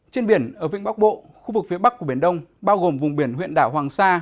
trên biển ở vĩnh bắc bộ khu vực phía bắc của biển đông bao gồm vùng biển huyện đảo hoàng sa